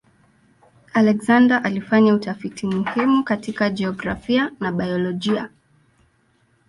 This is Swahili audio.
Alexander alifanya utafiti muhimu katika jiografia na biolojia.